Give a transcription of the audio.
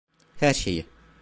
Her şeyi.